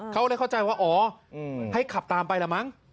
เขาเลยเข้าใจว่าอ๋อให้ขับตามไปละมั้ง